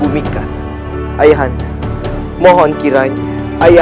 apakah nyai dewi percaya